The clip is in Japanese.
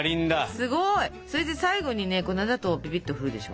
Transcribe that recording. すごい！それで最後にね粉砂糖をピピッとふるでしょ。